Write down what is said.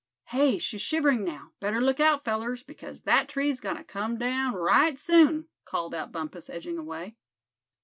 "Hey, she's shivering, now; better look out, fellers, because that tree's goin' to come down right soon!" called out Bumpus, edging away.